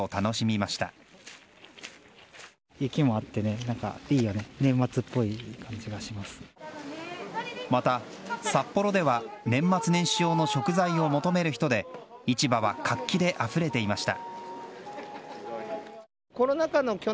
また、札幌では年末年始用の食材を求める人で市場は活気であふれていました。